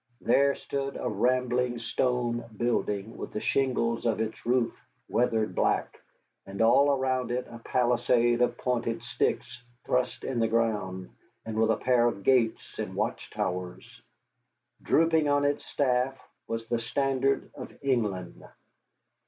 There stood a rambling stone building with the shingles of its roof weathered black, and all around it a palisade of pointed sticks thrust in the ground, and with a pair of gates and watch towers. Drooping on its staff was the standard of England.